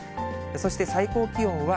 そして最高気温は、